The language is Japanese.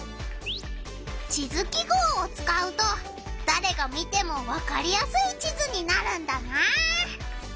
地図記号をつかうとだれが見てもわかりやすい地図になるんだな！